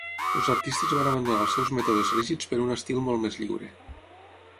Els artistes van abandonar els seus mètodes rígids per un estil molt més lliure.